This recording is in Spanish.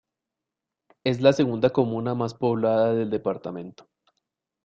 Es la segunda comuna más poblada del departamento.